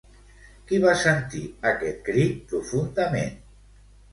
Qui va sentir aquest crit profundament?